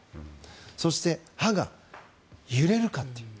そして、歯が揺れるかという。